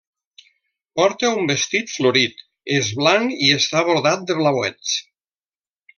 Porta un vestit florit: és blanc i està brodat de blauets.